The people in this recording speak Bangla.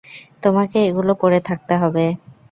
তোমাকে এগুলো পরে থাকতে হবে!